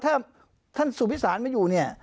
ถ้าท่านสุพิสารไม่อยู่เนี่ย